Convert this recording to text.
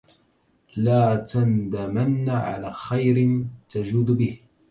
لا تندمن على خير تجود به